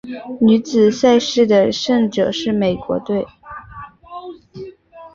女子赛事的胜者是美国队。